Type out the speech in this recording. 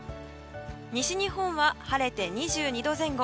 西日本は晴れて２２度前後。